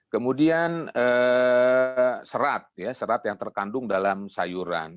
kemudian serap serap yang terkandung dalam sayuran